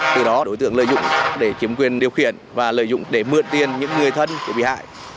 từ đó đối tượng lợi dụng để chiếm quyền điều khiển và lợi dụng để mượn tiền những người thân của bị hại